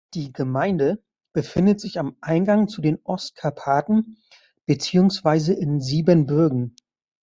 Die Gemeinde befindet sich am Eingang zu den Ostkarpaten beziehungsweise in Siebenbürgen.